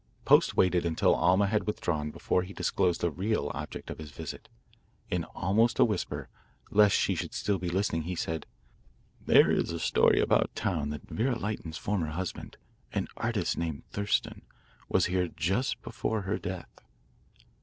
Post waited until Alma had withdrawn before he disclosed the real object of his visit. In almost a whisper, lest she should still be listening, he said, "There is a story about town that Vera Lytton's former husband an artist named Thurston was here just before her death."